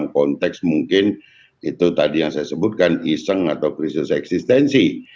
konteks mungkin itu tadi yang saya sebutkan iseng atau krisis eksistensi